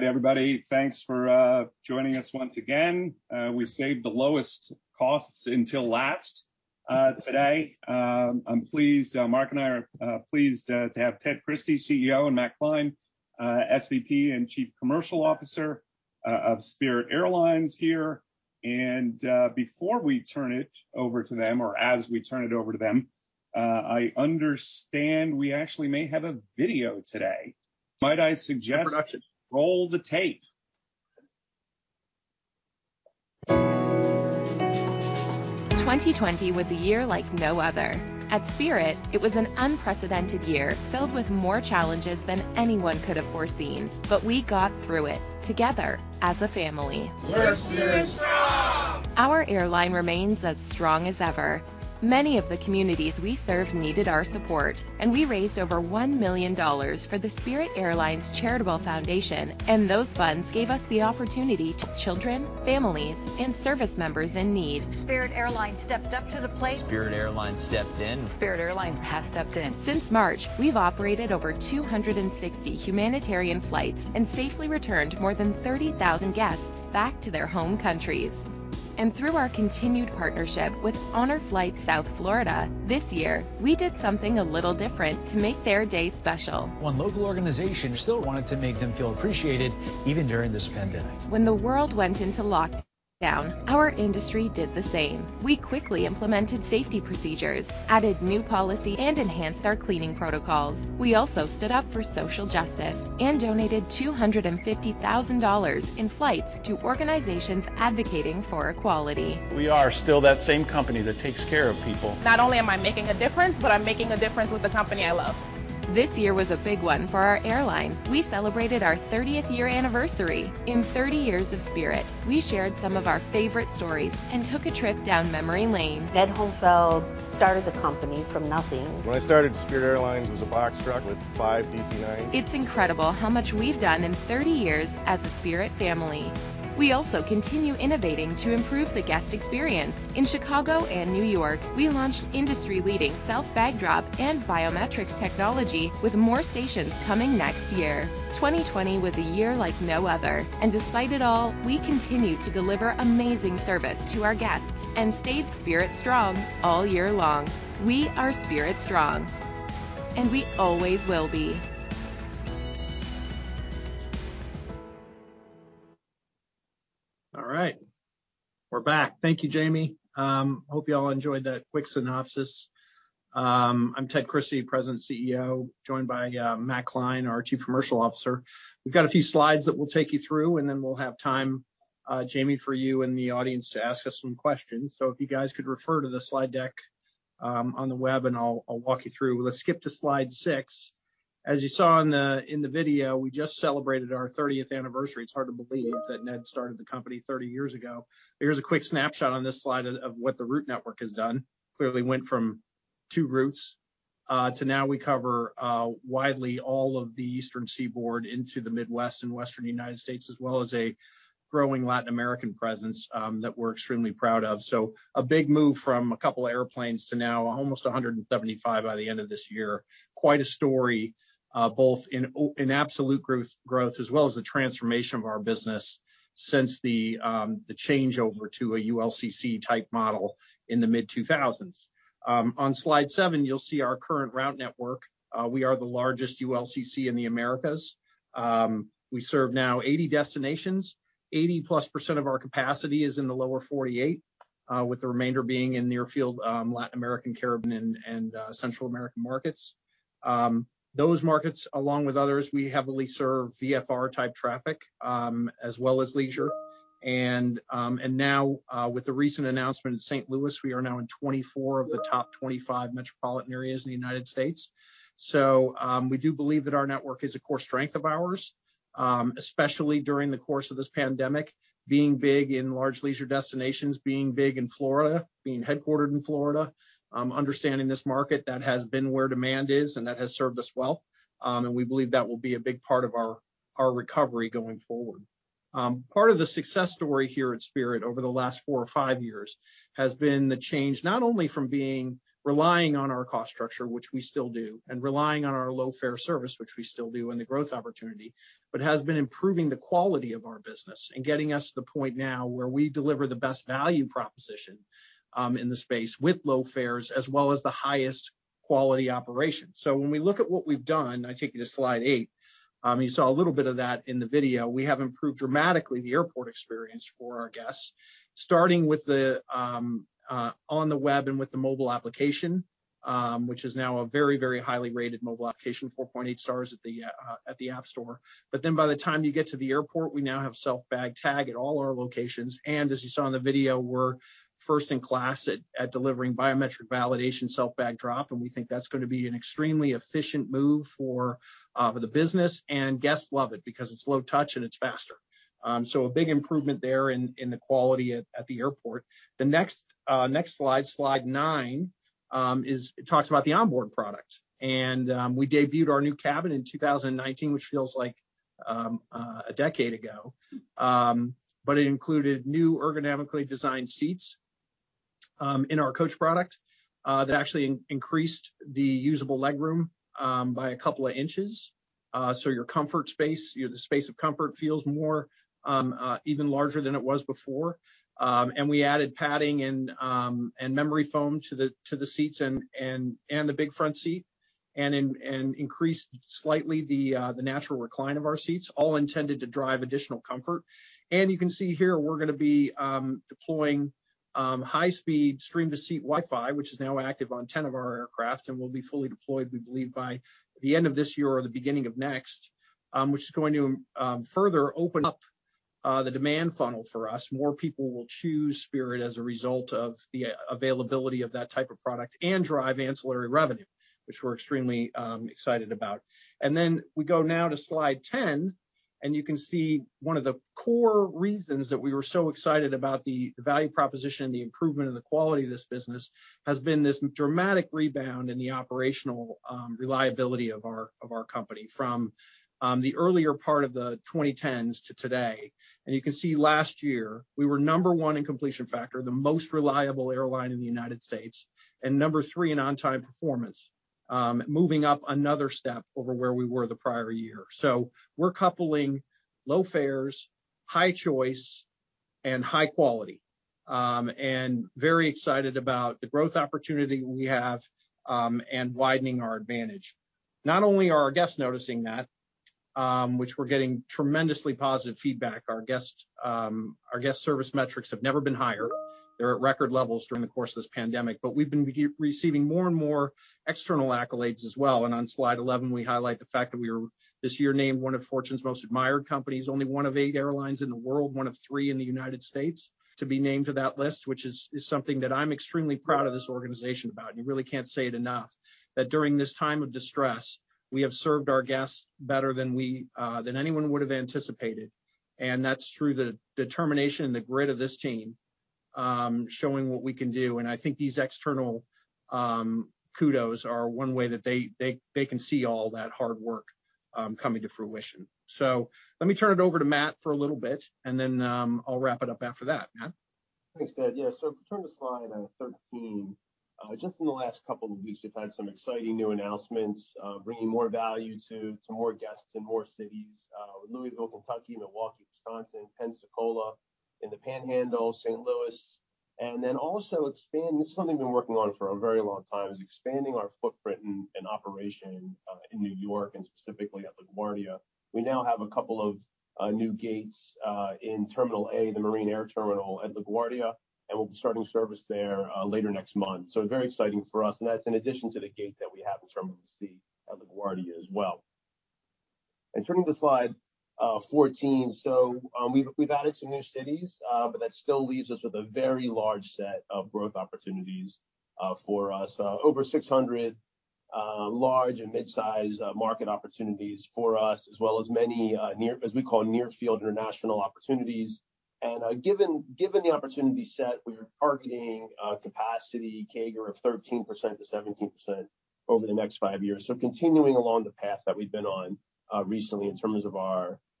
All right, everybody, thanks for joining us once again. We saved the lowest costs until last today. Mark and I are pleased to have Ted Christie, CEO, and Matt Klein, SVP and Chief Commercial Officer of Spirit Airlines here. Before we turn it over to them, or as we turn it over to them, I understand we actually may have a video today. Might I suggest. No production. Roll the tape. 2020 was a year like no other. At Spirit, it was an unprecedented year filled with more challenges than anyone could have foreseen, but we got through it together as a family. We're Spirit Strong! Our airline remains as strong as ever. Many of the communities we serve needed our support, and we raised over $1 million for the Spirit Airlines Charitable Foundation, and those funds gave us the opportunity to help children, families, and service members in need. Spirit Airlines stepped up to the plate. Spirit Airlines stepped in. Spirit Airlines has stepped in. Since March, we've operated over 260 humanitarian flights and safely returned more than 30,000 guests back to their home countries. Through our continued partnership with Honor Flight South Florida, this year we did something a little different to make their day special. One local organization still wanted to make them feel appreciated even during this pandemic. When the world went into lockdown, our industry did the same. We quickly implemented safety procedures, added new policy, and enhanced our cleaning protocols. We also stood up for social justice and donated $250,000 in flights to organizations advocating for equality. We are still that same company that takes care of people. Not only am I making a difference, but I'm making a difference with the company I love. This year was a big one for our airline. We celebrated our 30th year anniversary. In 30 years of Spirit, we shared some of our favorite stories and took a trip down memory lane. Ned Homfeld started the company from nothing. When I started, Spirit Airlines was a box truck with five DC-9s. It's incredible how much we've done in 30 years as a Spirit family. We also continue innovating to improve the guest experience. In Chicago and New York, we launched industry-leading self-bag drop and biometrics technology with more stations coming next year. 2020 was a year like no other, and despite it all, we continue to deliver amazing service to our guests and stayed Spirit Strong all year long. We are Spirit Strong, and we always will be. All right, we're back. Thank you, Jamie. Hope you all enjoyed that quick synopsis. I'm Ted Christie, President and CEO, joined by Matt Kline, our Chief Commercial Officer. We've got a few slides that we'll take you through, and then we'll have time, Jamie, for you and the audience to ask us some questions. If you guys could refer to the slide deck on the web, I'll walk you through. Let's skip to slide six. As you saw in the video, we just celebrated our 30th anniversary. It's hard to believe that Ned started the company 30 years ago. Here's a quick snapshot on this slide of what the route network has done. Clearly, we went from two routes to now we cover widely all of the Eastern Seaboard into the Midwest and Western United States, as well as a growing Latin American presence that we're extremely proud of. A big move from a couple of airplanes to now almost 175 by the end of this year. Quite a story, both in absolute growth as well as the transformation of our business since the changeover to a ULCC type model in the mid-2000s. On slide seven, you'll see our current route network. We are the largest ULCC in the Americas. We serve now 80 destinations. 80%+ of our capacity is in the lower 48, with the remainder being in near-field Latin American, Caribbean, and Central American markets. Those markets, along with others, we heavily serve VFR type traffic as well as leisure. Now, with the recent announcement in St. Louis, we are now in 24 of the top 25 metropolitan areas in the United States. We do believe that our network is a core strength of ours, especially during the course of this pandemic, being big in large leisure destinations, being big in Florida, being headquartered in Florida, understanding this market that has been where demand is and that has served us well. We believe that will be a big part of our recovery going forward. Part of the success story here at Spirit over the last four or five years has been the change not only from being relying on our cost structure, which we still do, and relying on our low fare service, which we still do, and the growth opportunity, but has been improving the quality of our business and getting us to the point now where we deliver the best value proposition in the space with low fares as well as the highest quality operation. When we look at what we've done, I take you to slide eight. You saw a little bit of that in the video. We have improved dramatically the airport experience for our guests, starting with on the web and with the mobile application, which is now a very, very highly rated mobile application, 4.8 stars at the app store. By the time you get to the airport, we now have self-bag tag at all our locations. As you saw in the video, we're first in class at delivering biometric validation self-bag drop. We think that's going to be an extremely efficient move for the business. Guests love it because it's low touch and it's faster. A big improvement there in the quality at the airport. The next slide, slide nine, talks about the onboard product. We debuted our new cabin in 2019, which feels like a decade ago. It included new ergonomically designed seats in our coach product that actually increased the usable leg room by a couple of inches. Your comfort space, the space of comfort, feels even larger than it was before. We added padding and memory foam to the seats and the Big Front Seat and increased slightly the natural recline of our seats, all intended to drive additional comfort. You can see here, we're going to be deploying high-speed stream-to-seat Wi-Fi, which is now active on 10 of our aircraft and will be fully deployed, we believe, by the end of this year or the beginning of next, which is going to further open up the demand funnel for us. More people will choose Spirit as a result of the availability of that type of product and drive ancillary revenue, which we're extremely excited about. We go now to slide 10, and you can see one of the core reasons that we were so excited about the value proposition, the improvement of the quality of this business has been this dramatic rebound in the operational reliability of our company from the earlier part of the 2010s to today. You can see last year, we were number one in completion factor, the most reliable airline in the United States, and number three in on-time performance, moving up another step over where we were the prior year. We are coupling low fares, high choice, and high quality. Very excited about the growth opportunity we have and widening our advantage. Not only are our guests noticing that, which we are getting tremendously positive feedback, our guest service metrics have never been higher. They're at record levels during the course of this pandemic, but we've been receiving more and more external accolades as well. On slide 11, we highlight the fact that we were this year named one of Fortune's most admired companies, only one of eight airlines in the world, one of three in the United States to be named to that list, which is something that I'm extremely proud of this organization about. You really can't say it enough that during this time of distress, we have served our guests better than anyone would have anticipated. That's through the determination and the grit of this team showing what we can do. I think these external kudos are one way that they can see all that hard work coming to fruition. Let me turn it over to Matt for a little bit, and then I'll wrap it up after that, Matt. Thanks, Ted. Yeah, if we turn to slide 13, just in the last couple of weeks, we've had some exciting new announcements bringing more value to more guests in more cities: Louisville, Kentucky, Milwaukee, Wisconsin, Pensacola in the Panhandle, St. Louis. Also, expanding this is something we've been working on for a very long time, expanding our footprint and operation in New York and specifically at LaGuardia. We now have a couple of new gates in Terminal A, the Marine Air Terminal at LaGuardia, and we'll be starting service there later next month. Very exciting for us. That's in addition to the gate that we have in Terminal C at LaGuardia as well. Turning to slide 14, we've added some new cities, but that still leaves us with a very large set of growth opportunities for us. Over 600 large and mid-size market opportunities for us, as well as many, as we call, near-field international opportunities. Given the opportunity set, we're targeting capacity CAGR of 13%-17% over the next five years.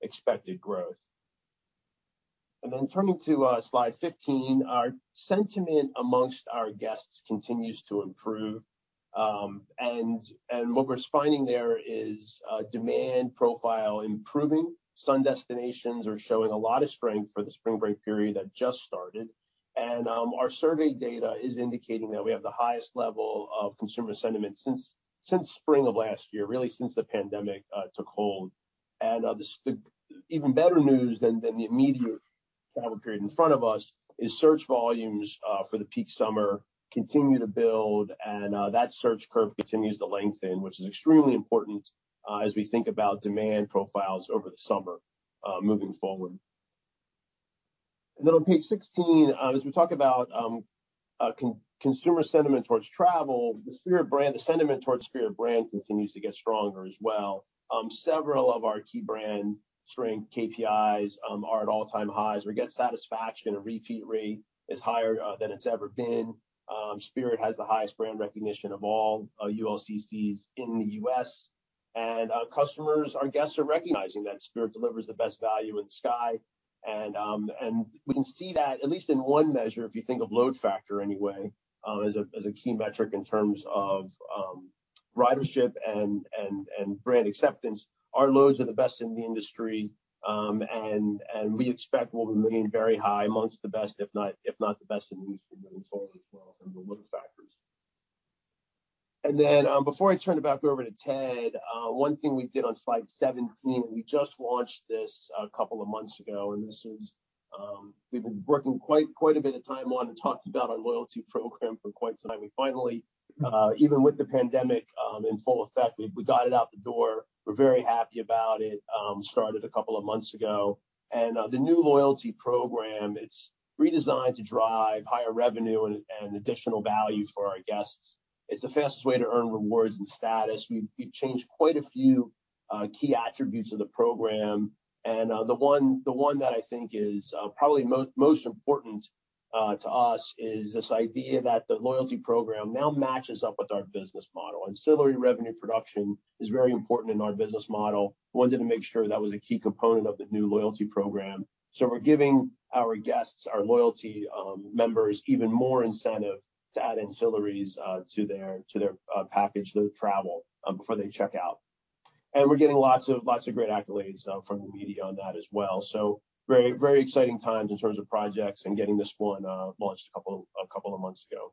Continuing along the path that we've been on recently in terms of our expected growth. Turning to slide 15, our sentiment amongst our guests continues to improve. What we're finding there is demand profile improving. Some destinations are showing a lot of strength for the spring break period that just started. Our survey data is indicating that we have the highest level of consumer sentiment since spring of last year, really since the pandemic took hold. Even better news than the immediate travel period in front of us is search volumes for the peak summer continue to build, and that search curve continues to lengthen, which is extremely important as we think about demand profiles over the summer moving forward. On page 16, as we talk about consumer sentiment towards travel, the Spirit brand, the sentiment towards Spirit brand continues to get stronger as well. Several of our key brand strength KPIs are at all-time highs. Guest satisfaction and repeat rate is higher than it's ever been. Spirit has the highest brand recognition of all ULCCs in the U.S. Customers, our guests, are recognizing that Spirit delivers the best value in the sky. We can see that at least in one measure, if you think of load factor anyway, as a key metric in terms of ridership and brand acceptance. Our loads are the best in the industry, and we expect we'll remain very high amongst the best, if not the best in the industry moving forward as well in terms of load factors. Before I turn it back over to Ted, one thing we did on slide 17, we just launched this a couple of months ago, and this is something we've been working quite a bit of time on and talked about our loyalty program for quite some time. We finally, even with the pandemic in full effect, got it out the door. We're very happy about it. Started a couple of months ago. The new loyalty program is redesigned to drive higher revenue and additional value for our guests. It's the fastest way to earn rewards and status. We've changed quite a few key attributes of the program. The one that I think is probably most important to us is this idea that the loyalty program now matches up with our business model. Ancillary revenue production is very important in our business model. We wanted to make sure that was a key component of the new loyalty program. We are giving our guests, our loyalty members, even more incentive to add ancillaries to their package, their travel before they check out. We are getting lots of great accolades from the media on that as well. Very exciting times in terms of projects and getting this one launched a couple of months ago.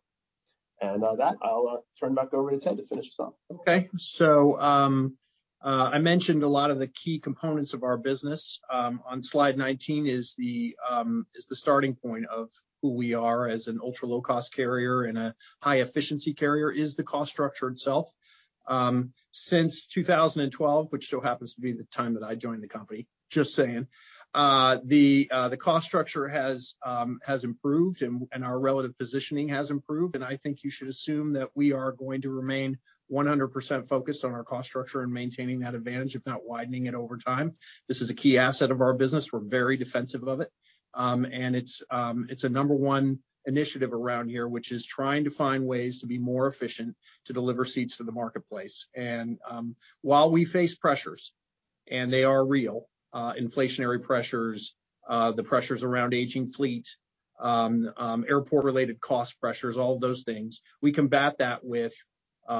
With that, I'll turn back over to Ted to finish us off. Okay. I mentioned a lot of the key components of our business. On slide 19 is the starting point of who we are as an ultra low-cost carrier and a high-efficiency carrier is the cost structure itself. Since 2012, which so happens to be the time that I joined the company, just saying, the cost structure has improved and our relative positioning has improved. I think you should assume that we are going to remain 100% focused on our cost structure and maintaining that advantage, if not widening it over time. This is a key asset of our business. We're very defensive of it. It's a number one initiative around here, which is trying to find ways to be more efficient to deliver seats to the marketplace. While we face pressures, and they are real, inflationary pressures, the pressures around aging fleet, airport-related cost pressures, all of those things, we combat that with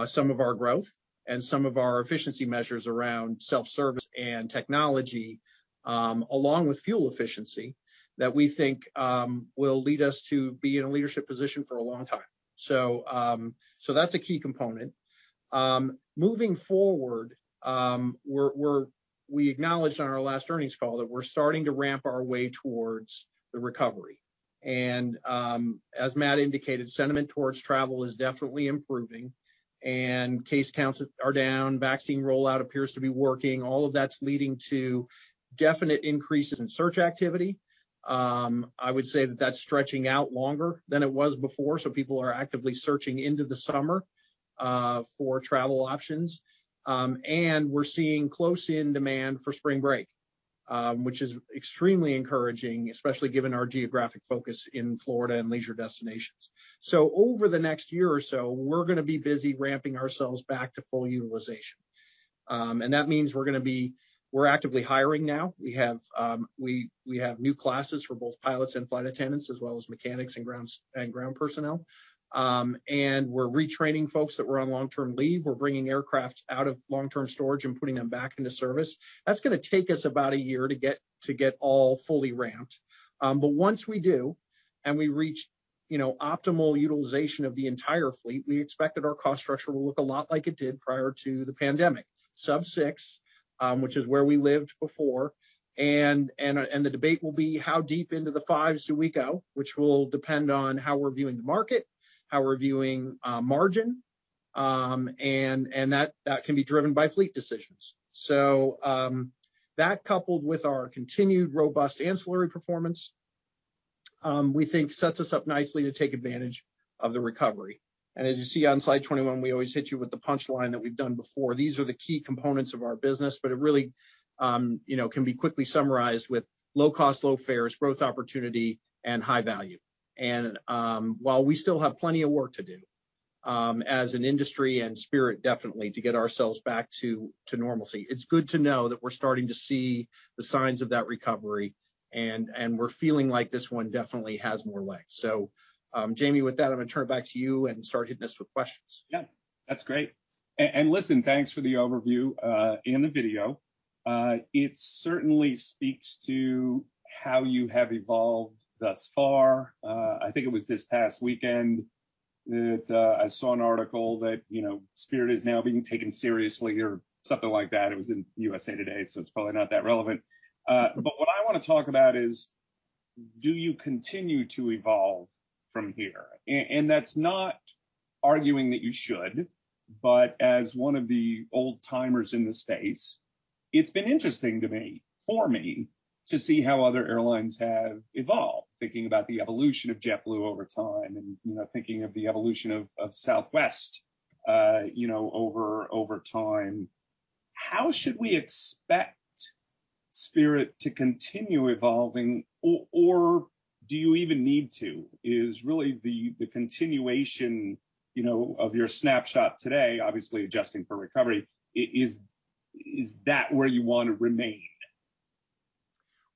some of our growth and some of our efficiency measures around self-service and technology, along with fuel efficiency that we think will lead us to be in a leadership position for a long time. That is a key component. Moving forward, we acknowledged on our last earnings call that we're starting to ramp our way towards the recovery. As Matt indicated, sentiment towards travel is definitely improving. Case counts are down. Vaccine rollout appears to be working. All of that is leading to definite increases in search activity. I would say that is stretching out longer than it was before. People are actively searching into the summer for travel options. We're seeing close-in demand for spring break, which is extremely encouraging, especially given our geographic focus in Florida and leisure destinations. Over the next year or so, we're going to be busy ramping ourselves back to full utilization. That means we're actively hiring now. We have new classes for both pilots and flight attendants as well as mechanics and ground personnel. We're retraining folks that were on long-term leave. We're bringing aircraft out of long-term storage and putting them back into service. That's going to take us about a year to get all fully ramped. Once we do and we reach optimal utilization of the entire fleet, we expect that our cost structure will look a lot like it did prior to the pandemic, sub-six, which is where we lived before. The debate will be how deep into the fives do we go, which will depend on how we're viewing the market, how we're viewing margin, and that can be driven by fleet decisions. That, coupled with our continued robust ancillary performance, we think sets us up nicely to take advantage of the recovery. As you see on slide 21, we always hit you with the punchline that we've done before. These are the key components of our business, but it really can be quickly summarized with low cost, low fares, growth opportunity, and high value. While we still have plenty of work to do as an industry and Spirit definitely to get ourselves back to normalcy, it's good to know that we're starting to see the signs of that recovery and we're feeling like this one definitely has more legs. Jamie, with that, I'm going to turn it back to you and start hitting us with questions. Yeah, that's great. Listen, thanks for the overview in the video. It certainly speaks to how you have evolved thus far. I think it was this past weekend that I saw an article that Spirit is now being taken seriously or something like that. It was in USA Today, so it's probably not that relevant. What I want to talk about is, do you continue to evolve from here? That's not arguing that you should, but as one of the old timers in this space, it's been interesting for me to see how other airlines have evolved, thinking about the evolution of JetBlue over time and thinking of the evolution of Southwest over time. How should we expect Spirit to continue evolving, or do you even need to? Is really the continuation of your snapshot today, obviously adjusting for recovery, is that where you want to remain?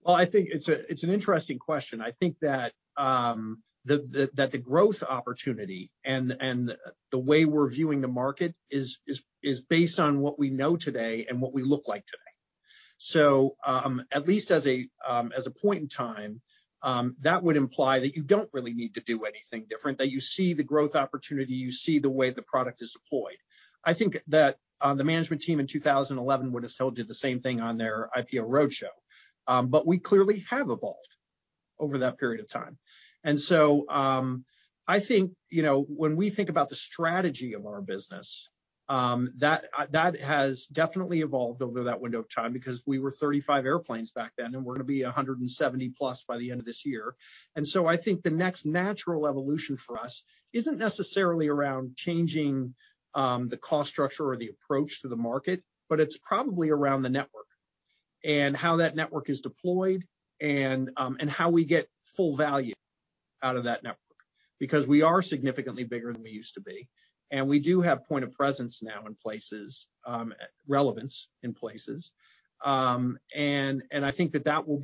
I think it's an interesting question. I think that the growth opportunity and the way we're viewing the market is based on what we know today and what we look like today. At least as a point in time, that would imply that you don't really need to do anything different, that you see the growth opportunity, you see the way the product is deployed. I think that the management team in 2011 would have told you the same thing on their IPO roadshow. We clearly have evolved over that period of time. I think when we think about the strategy of our business, that has definitely evolved over that window of time because we were 35 airplanes back then and we're going to be 170 plus by the end of this year. I think the next natural evolution for us isn't necessarily around changing the cost structure or the approach to the market, but it's probably around the network and how that network is deployed and how we get full value out of that network because we are significantly bigger than we used to be. We do have point of presence now in places, relevance in places. I think that would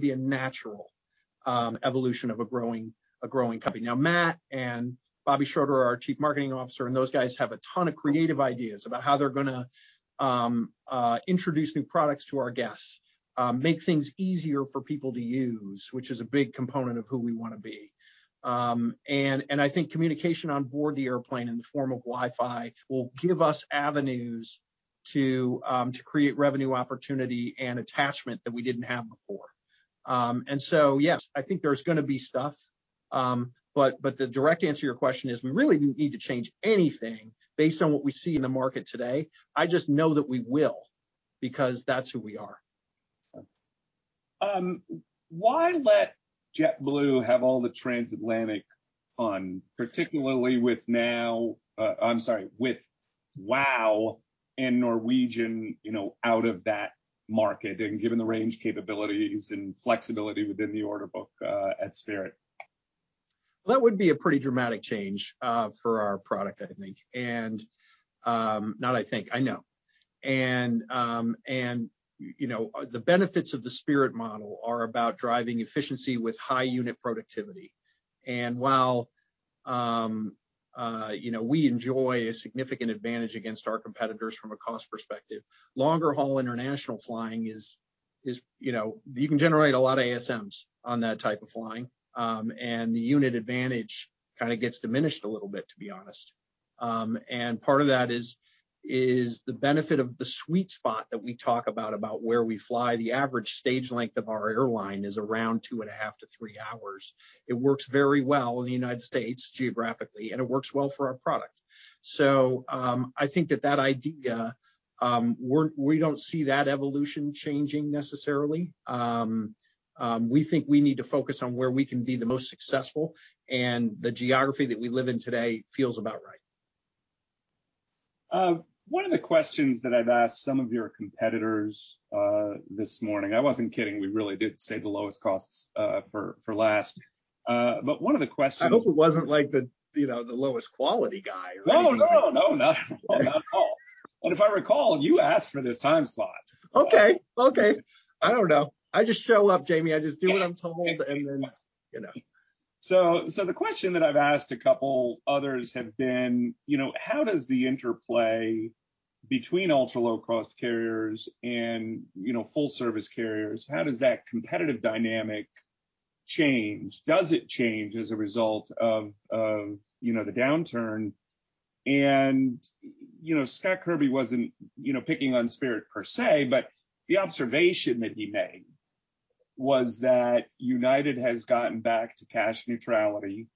be a natural evolution of a growing company. Now, Matt and Bobby Schroeter, our Chief Marketing Officer, and those guys have a ton of creative ideas about how they're going to introduce new products to our guests, make things easier for people to use, which is a big component of who we want to be. I think communication on board the airplane in the form of Wi-Fi will give us avenues to create revenue opportunity and attachment that we did not have before. Yes, I think there is going to be stuff, but the direct answer to your question is we really do not need to change anything based on what we see in the market today. I just know that we will because that is who we are. Why let JetBlue have all the transatlantic fun, particularly with now, I'm sorry, with WOW Air and Norwegian out of that market and given the range capabilities and flexibility within the order book at Spirit? That would be a pretty dramatic change for our product, I think. And not I think, I know. The benefits of the Spirit model are about driving efficiency with high unit productivity. While we enjoy a significant advantage against our competitors from a cost perspective, longer haul international flying is you can generate a lot of ASMs on that type of flying. The unit advantage kind of gets diminished a little bit, to be honest. Part of that is the benefit of the sweet spot that we talk about, about where we fly. The average stage length of our airline is around two and a half to three hours. It works very well in the United States geographically, and it works well for our product. I think that that idea, we do not see that evolution changing necessarily. We think we need to focus on where we can be the most successful, and the geography that we live in today feels about right. One of the questions that I've asked some of your competitors this morning, I wasn't kidding, we really did save the lowest costs for last. One of the questions. I hope it wasn't like the lowest quality guy. No, no, not at all. If I recall, you asked for this time slot. Okay, okay. I don't know. I just show up, Jamie. I just do what I'm told, and then. The question that I've asked a couple others has been, how does the interplay between ultra low-cost carriers and full-service carriers, how does that competitive dynamic change? Does it change as a result of the downturn? Scott Kirby was not picking on Spirit per se, but the observation that he made was that United has gotten back to cash neutrality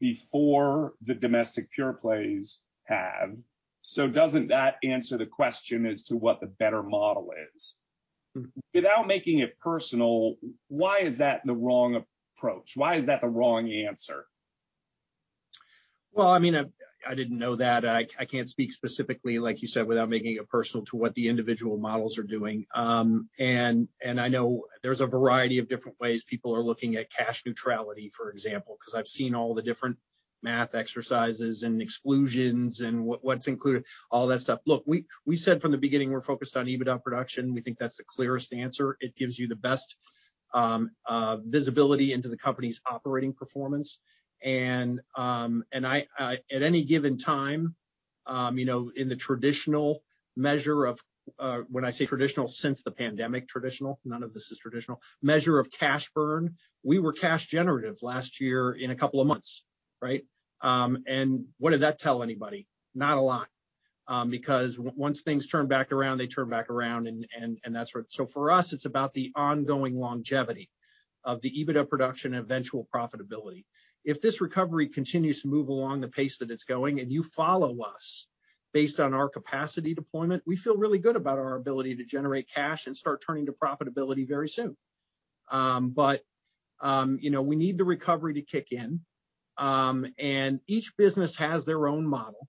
before the domestic pure plays have. Does not that answer the question as to what the better model is? Without making it personal, why is that the wrong approach? Why is that the wrong answer? I mean, I didn't know that. I can't speak specifically, like you said, without making it personal to what the individual models are doing. I know there's a variety of different ways people are looking at cash neutrality, for example, because I've seen all the different math exercises and exclusions and what's included, all that stuff. Look, we said from the beginning we're focused on EBITDA production. We think that's the clearest answer. It gives you the best visibility into the company's operating performance. At any given time, in the traditional measure of, when I say traditional, since the pandemic, traditional, none of this is traditional, measure of cash burn, we were cash generative last year in a couple of months, right? What did that tell anybody? Not a lot. Because once things turn back around, they turn back around, and that's what. For us, it's about the ongoing longevity of the EBITDA production and eventual profitability. If this recovery continues to move along the pace that it's going and you follow us based on our capacity deployment, we feel really good about our ability to generate cash and start turning to profitability very soon. We need the recovery to kick in. Each business has their own model.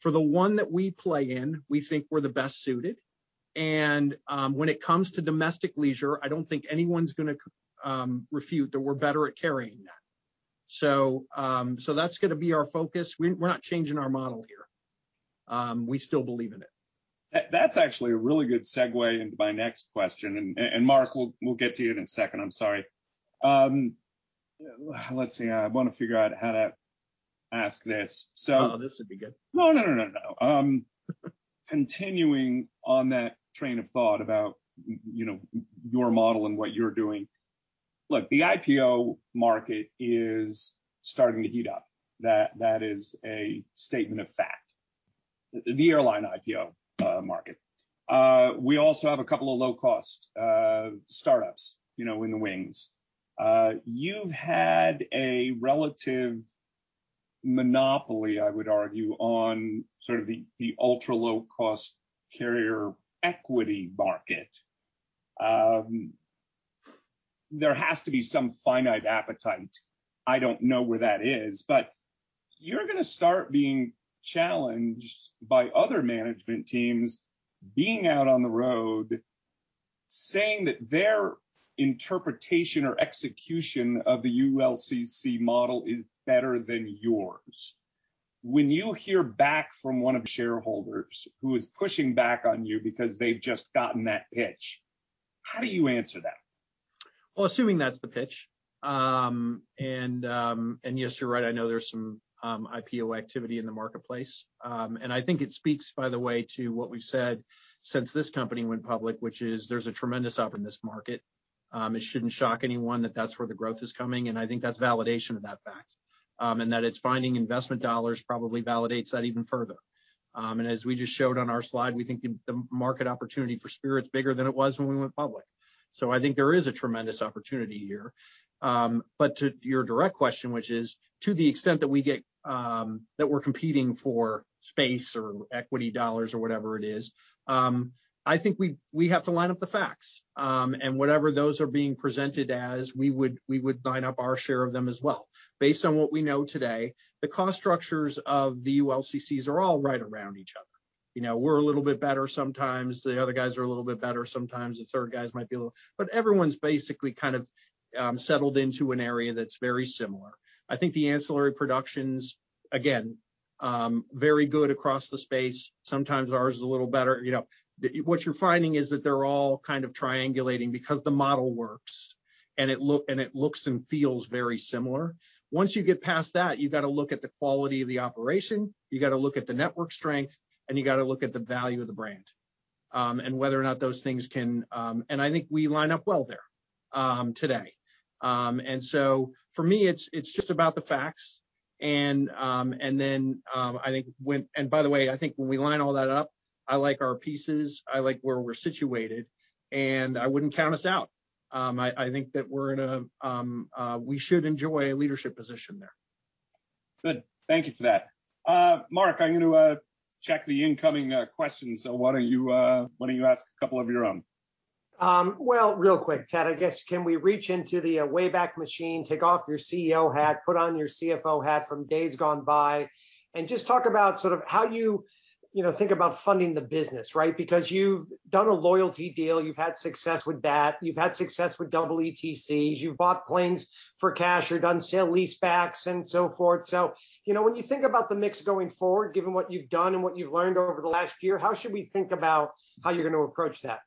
For the one that we play in, we think we're the best suited. When it comes to domestic leisure, I don't think anyone's going to refute that we're better at carrying that. That's going to be our focus. We're not changing our model here. We still believe in it. That's actually a really good segue into my next question. Mark, we'll get to you in a second. I'm sorry. Let's see. I want to figure out how to ask this. Oh, this would be good. No, no, no, no, no. Continuing on that train of thought about your model and what you're doing, look, the IPO market is starting to heat up. That is a statement of fact, the airline IPO market. We also have a couple of low-cost startups in the wings. You've had a relative monopoly, I would argue, on sort of the ultra low-cost carrier equity market. There has to be some finite appetite. I don't know where that is, but you're going to start being challenged by other management teams being out on the road, saying that their interpretation or execution of the ULCC model is better than yours. When you hear back from one of the shareholders who is pushing back on you because they've just gotten that pitch, how do you answer that? Assuming that's the pitch. Yes, you're right. I know there's some IPO activity in the marketplace. I think it speaks, by the way, to what we've said since this company went public, which is there's a tremendous up in this market. It shouldn't shock anyone that that's where the growth is coming. I think that's validation of that fact and that it's finding investment dollars probably validates that even further. As we just showed on our slide, we think the market opportunity for Spirit's bigger than it was when we went public. I think there is a tremendous opportunity here. To your direct question, which is to the extent that we get that we're competing for space or equity dollars or whatever it is, I think we have to line up the facts. Whatever those are being presented as, we would line up our share of them as well. Based on what we know today, the cost structures of the ULCCs are all right around each other. We're a little bit better sometimes. The other guys are a little bit better sometimes. The third guys might be a little, but everyone's basically kind of settled into an area that's very similar. I think the ancillary productions, again, very good across the space. Sometimes ours is a little better. What you're finding is that they're all kind of triangulating because the model works and it looks and feels very similar. Once you get past that, you've got to look at the quality of the operation. You've got to look at the network strength, and you've got to look at the value of the brand and whether or not those things can. I think we line up well there today. For me, it's just about the facts. I think when we line all that up, I like our pieces. I like where we're situated, and I wouldn't count us out. I think that we should enjoy a leadership position there. Good. Thank you for that. Mark, I'm going to check the incoming questions. Why don't you ask a couple of your own? Chad, I guess can we reach into the way back machine, take off your CEO hat, put on your CFO hat from days gone by, and just talk about sort of how you think about funding the business, right? Because you've done a loyalty deal. You've had success with that. You've had success with EETCs. You've bought planes for cash or done sale-lease backs and so forth. When you think about the mix going forward, given what you've done and what you've learned over the last year, how should we think about how you're going to approach that?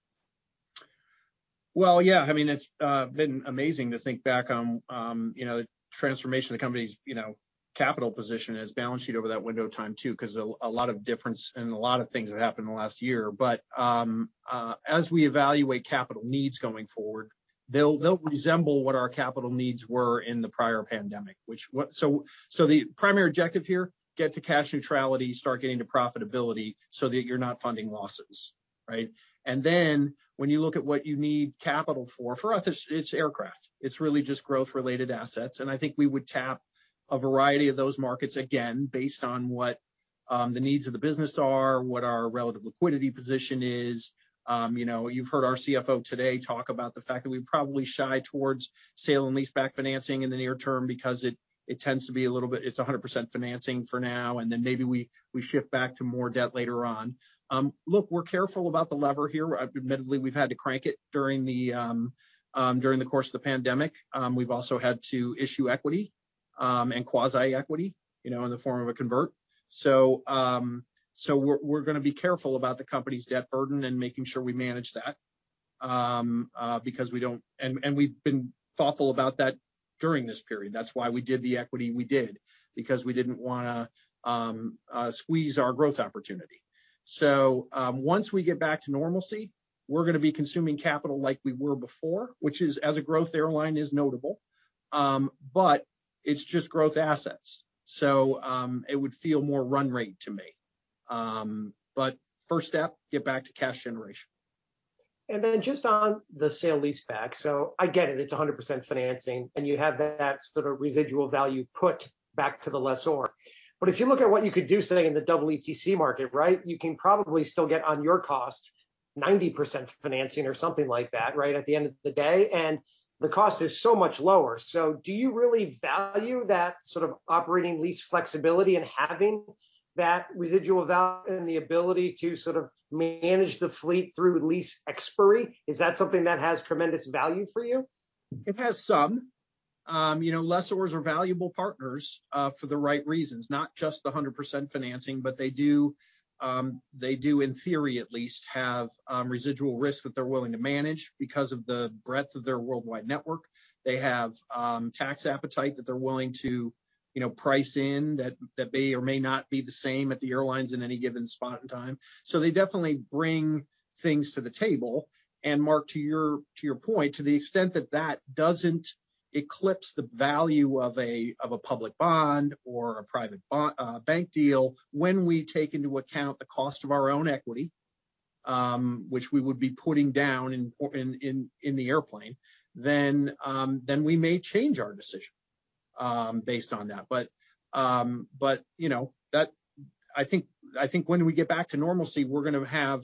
Yeah, I mean, it's been amazing to think back on the transformation of the company's capital position as balance sheet over that window of time too, because a lot of difference and a lot of things have happened in the last year. As we evaluate capital needs going forward, they'll resemble what our capital needs were in the prior pandemic. The primary objective here, get to cash neutrality, start getting to profitability so that you're not funding losses, right? When you look at what you need capital for, for us, it's aircraft. It's really just growth-related assets. I think we would tap a variety of those markets again based on what the needs of the business are, what our relative liquidity position is. You've heard our CFO today talk about the fact that we probably shy towards sale and lease back financing in the near term because it tends to be a little bit, it's 100% financing for now, and then maybe we shift back to more debt later on. Look, we're careful about the lever here. Admittedly, we've had to crank it during the course of the pandemic. We've also had to issue equity and quasi-equity in the form of a convert. We're going to be careful about the company's debt burden and making sure we manage that because we don't, and we've been thoughtful about that during this period. That's why we did the equity we did, because we didn't want to squeeze our growth opportunity. Once we get back to normalcy, we're going to be consuming capital like we were before, which as a growth airline is notable, but it's just growth assets. It would feel more run rate to me. First step, get back to cash generation. Just on the sale lease back, I get it. It's 100% financing, and you have that sort of residual value put back to the lessor. If you look at what you could do, say, in the EETC market, you can probably still get on your cost 90% financing or something like that at the end of the day, and the cost is so much lower. Do you really value that sort of operating lease flexibility and having that residual value and the ability to sort of manage the fleet through lease expiry? Is that something that has tremendous value for you? It has some. Lessors are valuable partners for the right reasons, not just the 100% financing, but they do, in theory at least, have residual risk that they're willing to manage because of the breadth of their worldwide network. They have tax appetite that they're willing to price in that may or may not be the same at the airlines in any given spot in time. They definitely bring things to the table. Mark, to your point, to the extent that that does not eclipse the value of a public bond or a private bank deal, when we take into account the cost of our own equity, which we would be putting down in the airplane, we may change our decision based on that. I think when we get back to normalcy, we're going to have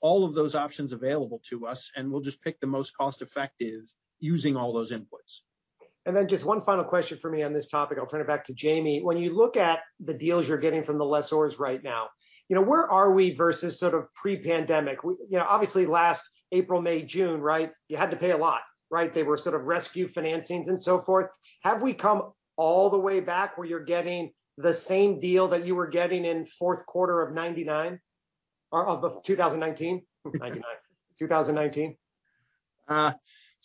all of those options available to us, and we'll just pick the most cost-effective using all those inputs. Just one final question for me on this topic. I'll turn it back to Jamie. When you look at the deals you're getting from the lessors right now, where are we versus sort of pre-pandemic? Obviously, last April, May, June, right, you had to pay a lot, right? They were sort of rescue financings and so forth. Have we come all the way back where you're getting the same deal that you were getting in fourth quarter of 1999 or of 2019?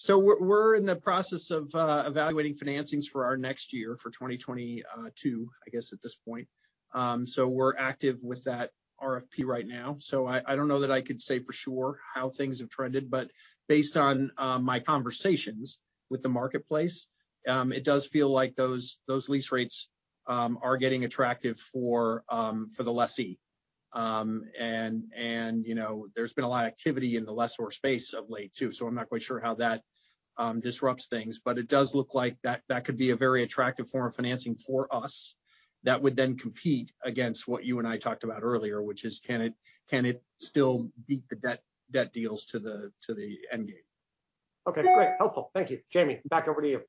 We're in the process of evaluating financings for our next year, for 2022, I guess, at this point. We're active with that RFP right now. I don't know that I could say for sure how things have trended, but based on my conversations with the marketplace, it does feel like those lease rates are getting attractive for the lessee. There's been a lot of activity in the lessor space of late too. I'm not quite sure how that disrupts things, but it does look like that could be a very attractive form of financing for us that would then compete against what you and I talked about earlier, which is can it still beat the debt deals to the end game? Okay. Great. Helpful. Thank you. Jamie, back over to you.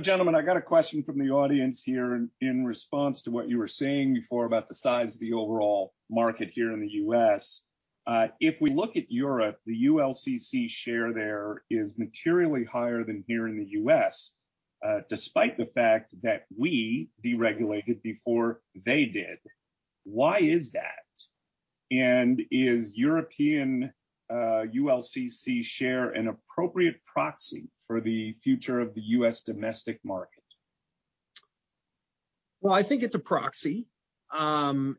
Gentlemen, I got a question from the audience here in response to what you were saying before about the size of the overall market here in the U.S. If we look at Europe, the ULCC share there is materially higher than here in the U.S., despite the fact that we deregulated before they did. Why is that? Is European ULCC share an appropriate proxy for the future of the U.S. domestic market? I think it's a proxy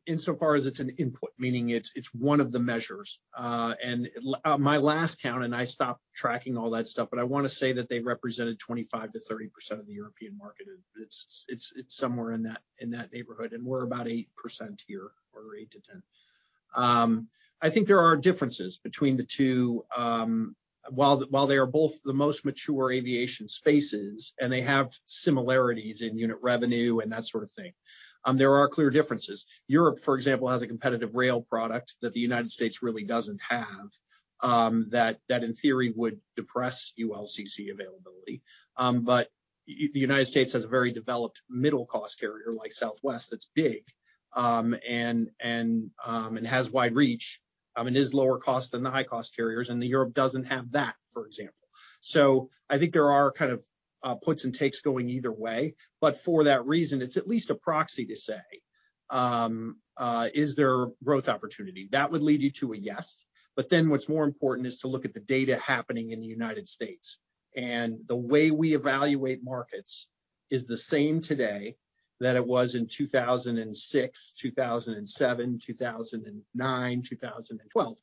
insofar as it's an input, meaning it's one of the measures. At my last count, and I stopped tracking all that stuff, I want to say that they represented 25%-30% of the European market. It's somewhere in that neighborhood. We're about 8% here or 8%-10%. I think there are differences between the two. While they are both the most mature aviation spaces, and they have similarities in unit revenue and that sort of thing, there are clear differences. Europe, for example, has a competitive rail product that the U.S. really doesn't have that in theory would depress ULCC availability. The U.S. has a very developed middle cost carrier like Southwest that's big and has wide reach and is lower cost than the high cost carriers. Europe doesn't have that, for example. I think there are kind of puts and takes going either way. For that reason, it's at least a proxy to say, is there growth opportunity? That would lead you to a yes. What's more important is to look at the data happening in the United States. The way we evaluate markets is the same today that it was in 2006, 2007, 2009, 2012.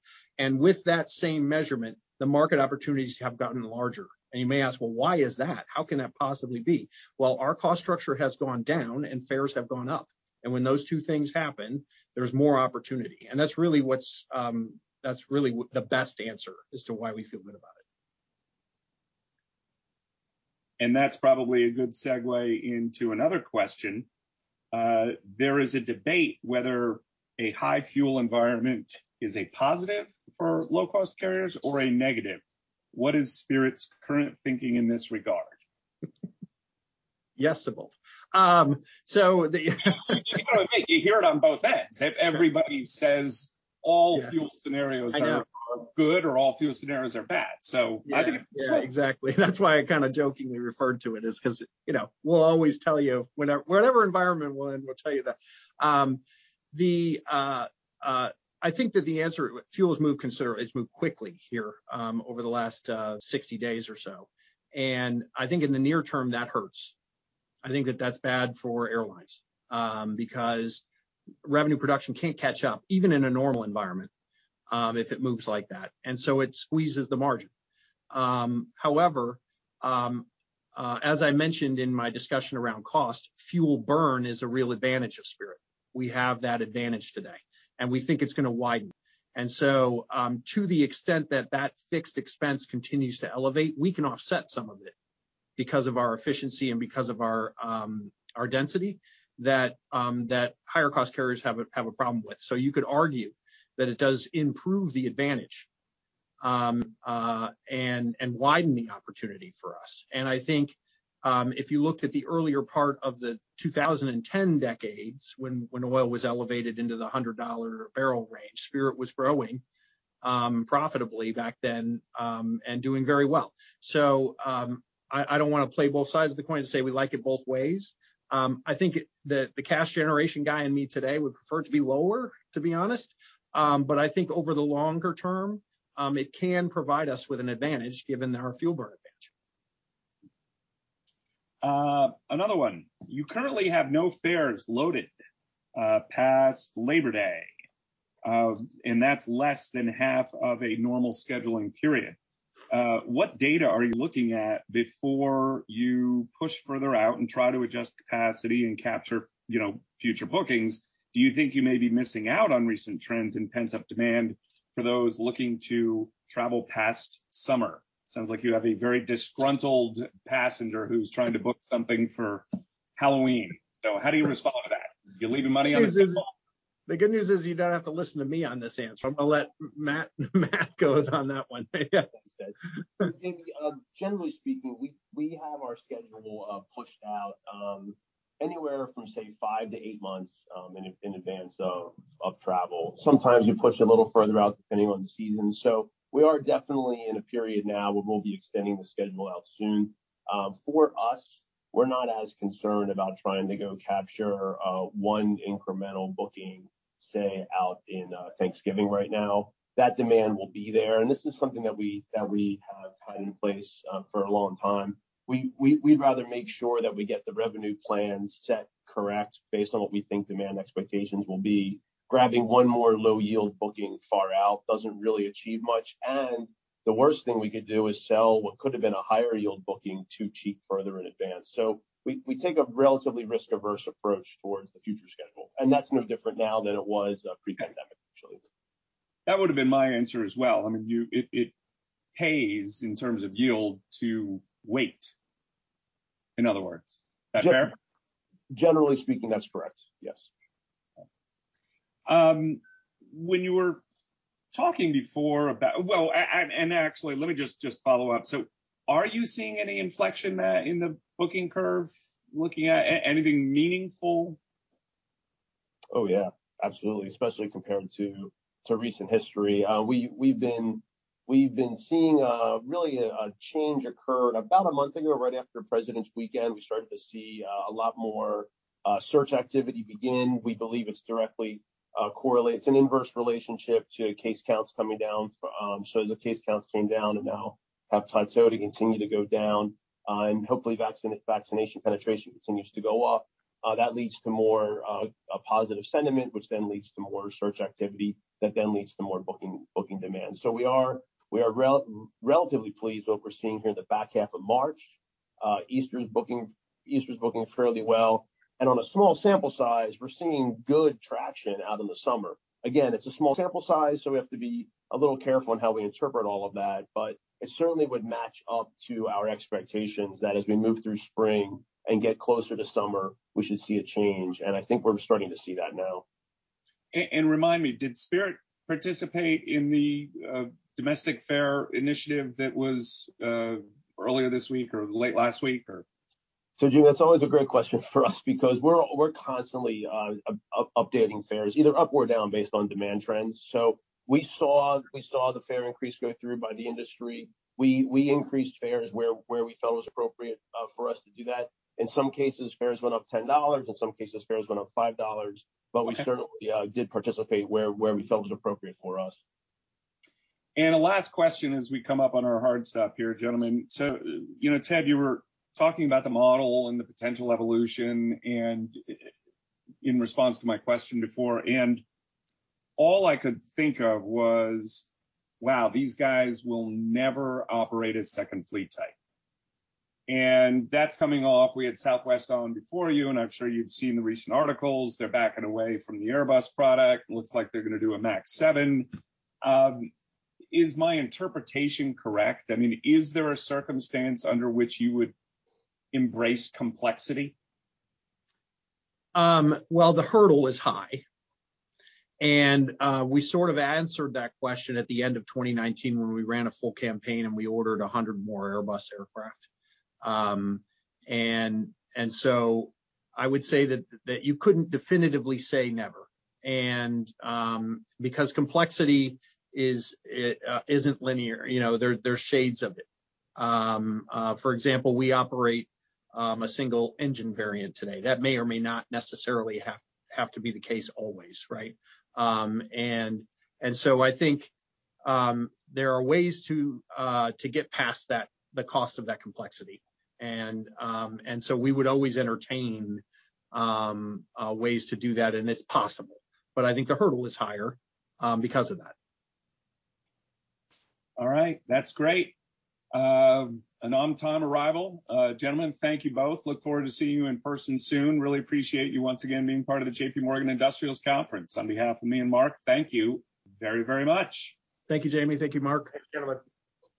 With that same measurement, the market opportunities have gotten larger. You may ask, why is that? How can that possibly be? Our cost structure has gone down and fares have gone up. When those two things happen, there's more opportunity. That's really the best answer as to why we feel good about it. That's probably a good segue into another question. There is a debate whether a high fuel environment is a positive for low-cost carriers or a negative. What is Spirit's current thinking in this regard? Yes to both. You hear it on both ends. Everybody says all fuel scenarios are good or all fuel scenarios are bad. Exactly. That's why I kind of jokingly referred to it as because we'll always tell you whatever environment we're in, we'll tell you that. I think that the answer is fuels move considerably, move quickly here over the last 60 days or so. I think in the near term, that hurts. I think that that's bad for airlines because revenue production can't catch up, even in a normal environment, if it moves like that. It squeezes the margin. However, as I mentioned in my discussion around cost, fuel burn is a real advantage of Spirit. We have that advantage today, and we think it's going to widen. To the extent that that fixed expense continues to elevate, we can offset some of it because of our efficiency and because of our density that higher cost carriers have a problem with. You could argue that it does improve the advantage and widen the opportunity for us. I think if you looked at the earlier part of the 2010 decades when oil was elevated into the $100 barrel range, Spirit was growing profitably back then and doing very well. I do not want to play both sides of the coin and say we like it both ways. I think the cash generation guy in me today would prefer it to be lower, to be honest. I think over the longer term, it can provide us with an advantage given our fuel burn advantage. Another one. You currently have no fares loaded past Labor Day, and that's less than half of a normal scheduling period. What data are you looking at before you push further out and try to adjust capacity and capture future bookings? Do you think you may be missing out on recent trends in pent-up demand for those looking to travel past summer? It sounds like you have a very disgruntled passenger who's trying to book something for Halloween. How do you respond to that? You're leaving money on the table? The good news is you don't have to listen to me on this answer. I'm going to let Matt go on that one. Generally speaking, we have our schedule pushed out anywhere from, say, five to eight months in advance of travel. Sometimes you push a little further out depending on the season. We are definitely in a period now where we'll be extending the schedule out soon. For us, we're not as concerned about trying to go capture one incremental booking, say, out in Thanksgiving right now. That demand will be there. This is something that we have had in place for a long time. We'd rather make sure that we get the revenue plan set correct based on what we think demand expectations will be. Grabbing one more low-yield booking far out doesn't really achieve much. The worst thing we could do is sell what could have been a higher-yield booking too cheap further in advance. We take a relatively risk-averse approach towards the future schedule. That's no different now than it was pre-pandemic, actually. That would have been my answer as well. I mean, it pays in terms of yield to wait, in other words. Is that fair? Generally speaking, that's correct. Yes. When you were talking before about, actually, let me just follow up. Are you seeing any inflection in the booking curve, looking at anything meaningful? Oh, yeah. Absolutely. Especially compared to recent history. We've been seeing really a change occur about a month ago, right after Presidents' Weekend. We started to see a lot more search activity begin. We believe it's directly correlated. It's an inverse relationship to case counts coming down. As the case counts came down and now have plateaued and continue to go down, and hopefully vaccination penetration continues to go up, that leads to more positive sentiment, which then leads to more search activity that then leads to more booking demand. We are relatively pleased with what we're seeing here in the back half of March. Easter's booking fairly well. On a small sample size, we're seeing good traction out in the summer. Again, it's a small sample size, so we have to be a little careful in how we interpret all of that. It certainly would match up to our expectations that as we move through spring and get closer to summer, we should see a change. I think we're starting to see that now. Remind me, did Spirit participate in the domestic fare initiative that was earlier this week or late last week? Jim, that's always a great question for us because we're constantly updating fares, either up or down based on demand trends. We saw the fare increase go through by the industry. We increased fares where we felt it was appropriate for us to do that. In some cases, fares went up $10. In some cases, fares went up $5. We certainly did participate where we felt it was appropriate for us. A last question as we come up on our hard stop here, gentlemen. Ted, you were talking about the model and the potential evolution in response to my question before. All I could think of was, wow, these guys will never operate a second fleet type. That is coming off. We had Southwest on before you, and I am sure you have seen the recent articles. They are backing away from the Airbus product. Looks like they are going to do a MAX 7. Is my interpretation correct? I mean, is there a circumstance under which you would embrace complexity? The hurdle is high. We sort of answered that question at the end of 2019 when we ran a full campaign and we ordered 100 more Airbus aircraft. I would say that you could not definitively say never. Because complexity is not linear, there are shades of it. For example, we operate a single engine variant today. That may or may not necessarily have to be the case always, right? I think there are ways to get past the cost of that complexity. We would always entertain ways to do that, and it is possible. I think the hurdle is higher because of that. All right. That's great. An on-time arrival. Gentlemen, thank you both. Look forward to seeing you in person soon. Really appreciate you once again being part of the JPMorgan Industrials Conference. On behalf of me and Mark, thank you very, very much. Thank you, Jamie. Thank you, Mark. Thanks, gentlemen.